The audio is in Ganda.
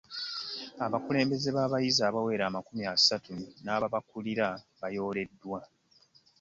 Abakulembeze b'abayizi abawera amakumi asatu n'ababakulira baayooleddwa